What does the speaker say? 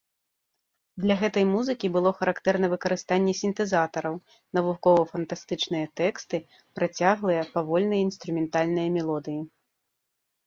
Для гэтай музыкі было характэрна выкарыстанне сінтэзатараў, навукова-фантастычныя тэксты, працяглыя, павольныя інструментальныя мелодыі.